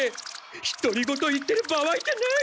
ひとり言言ってる場合じゃない！